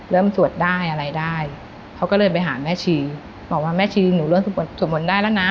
สวดได้อะไรได้เขาก็เลยไปหาแม่ชีบอกว่าแม่ชีหนูเริ่มสวดมนต์ได้แล้วนะ